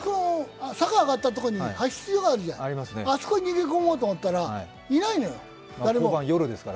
坂を上がったところに派出所があるじゃないあそこに逃げ込もうと思ったらいないよ、誰も。